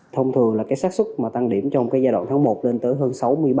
thông thường là sát xuất tăng điểm trong giai đoạn tháng một lên tới hơn sáu mươi ba